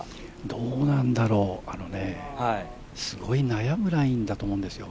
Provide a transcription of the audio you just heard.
どうなんだろう、すごい悩むラインだと思うんですよ。